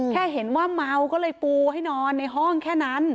ก็จะปูให้นอนในห้องแค่นั้น